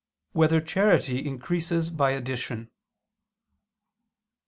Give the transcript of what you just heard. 5] Whether Charity Increases by Addition?